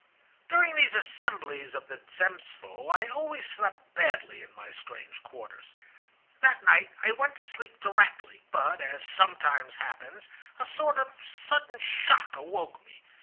"During these assemblies of the Zemstvo I always slept badly in my strange quarters. That night I went to sleep directly, but, as sometimes happens, a sort of sudden shock awoke me.